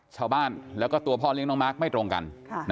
ชาวบ้านแล้วก็ตัวพ่อเลี้ยงน้องมาร์คไม่ตรงกัน